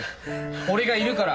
俺がいるから。